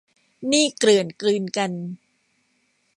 หนี้เกลื่อนกลืนกัน